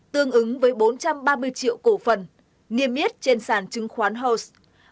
tương ứng với bốn trăm ba mươi triệu cổ phần nghiêm yết trên sàn chứng khoán hos